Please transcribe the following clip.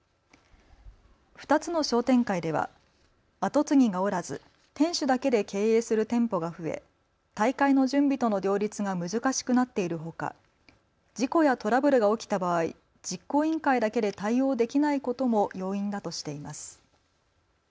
２つの商店会では後継ぎがおらず店主だけで経営する店舗が増え大会の準備との両立が難しくなっているほか事故やトラブルが起きた場合、実行委員会だけで対応できないことも要因だとしています。